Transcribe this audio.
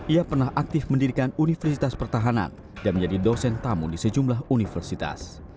ia pernah aktif mendirikan universitas pertahanan dan menjadi dosen tamu di sejumlah universitas